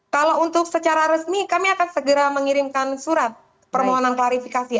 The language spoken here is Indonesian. kalau untuk secara resmi kami akan segera mengirimkan surat permohonan klarifikasi